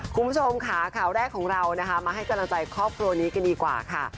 คุณผู้ชมค่ะข่าวแรกของเรานะคะมาให้กำลังใจครอบครัวนี้กันดีกว่าค่ะ